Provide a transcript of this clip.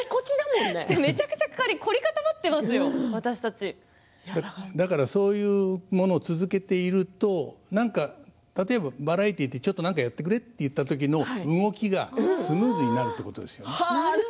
めちゃくちゃそういうものを続けていると例えばバラエティーでちょっと何かやってくれと言われた時の動きがスムーズになるということですよね。